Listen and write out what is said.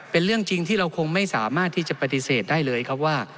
เป็นเรื่องจริงที่เราคงไม่สามารถที่จะปฏิเสธได้เลยครับว่า